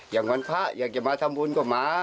อย่างวันพระอยากจะมาทำบุญก็มา